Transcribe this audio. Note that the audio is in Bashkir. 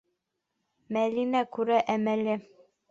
Мәленә күрә әмәле.